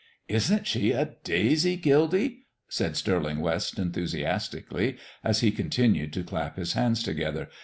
"Isn't she a daisy, Gildy?" said Stirling West enthusiastically, as he continued to clap his hands together.